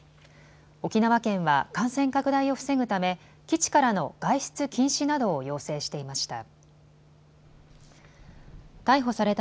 沖縄県は感染拡大を防ぐため基地からの外出禁止などを要請していました。